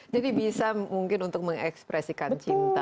jadi bisa mungkin untuk mengekspresikan cinta